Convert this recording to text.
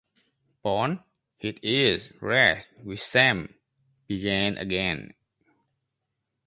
Paul, his ears red with shame, began again.